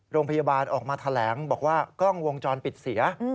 โรงพยาบาลออกมาแถลงบอกว่ากล้องวงจรปิดเสีย